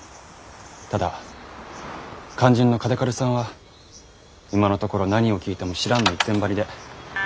ただ肝心の嘉手刈さんは今のところ何を聞いても「知らん」の一点張りで。